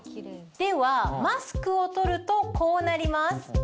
ではマスクを取るとこうなります。